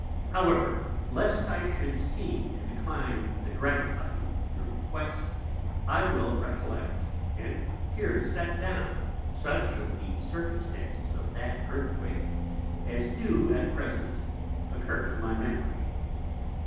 However, lest I shou'd seem to decline the gratifying your Request, I will recollect, and here set down, such of the Circumstances of that Earthquake as do at present occur to my Memory.